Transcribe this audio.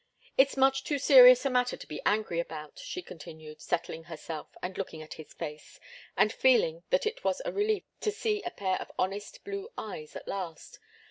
"It's much too serious a matter to be angry about," she continued, settling herself and looking at his face, and feeling that it was a relief to see a pair of honest blue eyes at last.